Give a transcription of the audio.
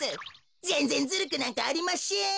ぜんぜんずるくなんかありましぇん。